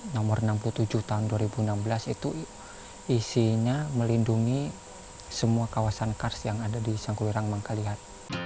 nomor enam puluh tujuh tahun dua ribu enam belas itu isinya melindungi semua kawasan kars yang ada di sangkulurang mangkalihat